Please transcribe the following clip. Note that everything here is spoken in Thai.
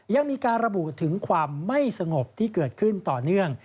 ยังมีการระบุถึงความไม่สงบที่เกิดขึ้นต่อเนื่อง